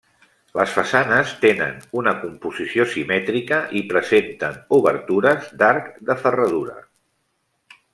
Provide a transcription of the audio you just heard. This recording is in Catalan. Les façanes tenen una composició simètrica i presenten obertures d'arc de ferradura.